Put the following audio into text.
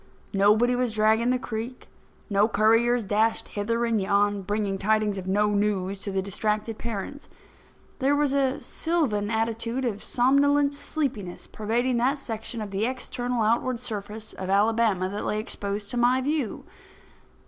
Nobody was dragging the creek; no couriers dashed hither and yon, bringing tidings of no news to the distracted parents. There was a sylvan attitude of somnolent sleepiness pervading that section of the external outward surface of Alabama that lay exposed to my view.